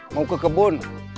mau ke kebun